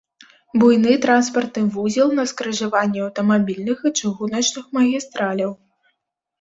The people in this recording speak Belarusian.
Буйны транспартны вузел на скрыжаванні аўтамабільных і чыгуначных магістраляў.